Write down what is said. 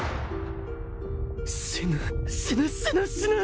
死ぬ死ぬ死ぬ死ぬ！